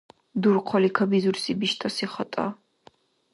Дурхъали кабизурси биштӀаси хатӀа